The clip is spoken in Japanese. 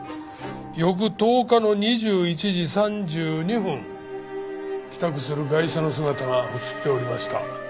翌１０日の２１時３２分帰宅するガイシャの姿が映っておりました。